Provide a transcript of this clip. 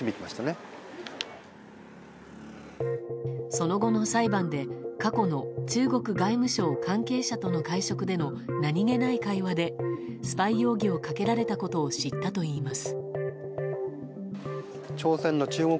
その後の裁判で過去の中国外務省関係者との会食での何気ない会話でスパイ容疑をかけられたことを知ったといいます。